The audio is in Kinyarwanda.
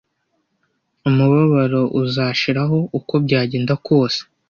umubabaro uzashiraho uko byagenda kose